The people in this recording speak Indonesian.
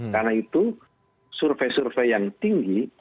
karena itu survei survei yang tinggi